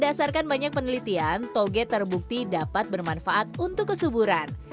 berdasarkan banyak penelitian toge terbukti dapat bermanfaat untuk kesuburan